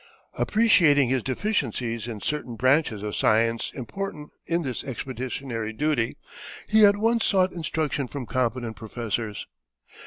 Appreciating his deficiencies in certain branches of science important in this expeditionary duty, he at once sought instruction from competent professors.